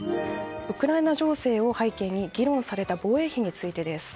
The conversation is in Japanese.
ウクライナ情勢を背景に議論された防衛費についてです。